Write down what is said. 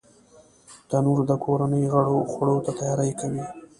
تنور د کورنۍ غړو خوړو ته تیاری کوي